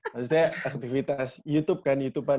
maksudnya aktivitas youtube kan youtube